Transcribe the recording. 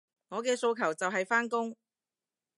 我嘅訴求就係返工